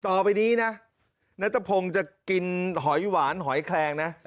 ต่อไปนี้นะแนนส์ตะพงจะกินหอยหวานหอยแครงนะ